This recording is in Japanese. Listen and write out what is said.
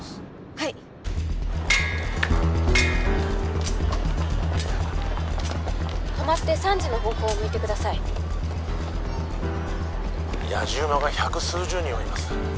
はい止まって３時の方向を向いてくださいやじ馬が百数十人はいます